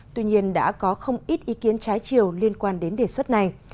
tuy nhiên đã có không ít ý kiến trái chiều liên quan đến đề xuất này